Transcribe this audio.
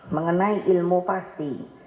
mengenai ilmu pasti